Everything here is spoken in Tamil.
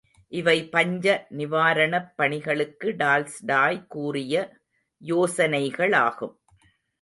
இவை பஞ்ச நிவாரணப் பணிகளுக்கு டால்ஸ்டாய் கூறிய யோசனைகளாகும்.